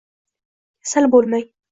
Kasal bo'lmang